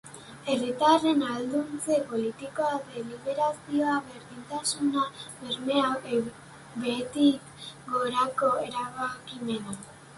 Herritarren ahalduntze politikoa, deliberazioa, berdintasuna, bermea, behetik gorako erabakimena...